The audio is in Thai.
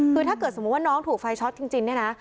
คือถ้าเกิดสมมุติว่าน้องถูกไฟช็อตจริงเนี่ยนะ